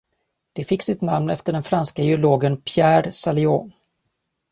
Det fick sitt namn efter den franska geologen Pierre Saliot.